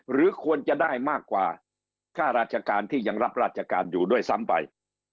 หรือควรจะได้มากกว่าค่าราชการที่ยังรับราชการอยู่ด้วยซ้ำไป